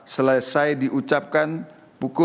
selesai diucapkan pukul sembilan lima puluh dua empat puluh dua